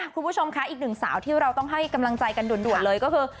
คุณผู้ชมค่ะอีกหนึ่งสาวที่เราต้องให้กำลังใจกันด่วนเลยก็คือ